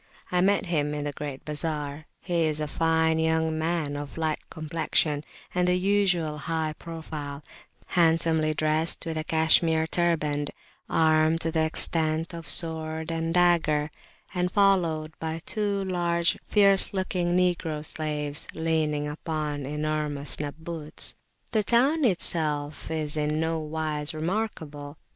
I met him in the great bazar; he is a fine young man of light complexion and the usual high profile, handsomely dressed, with a Cashmere turband, armed to the extent of sword and dagger, and followed by two large, fierce looking Negro slaves leaning upon enormous Nabbuts. The town itself is in no wise remarkable.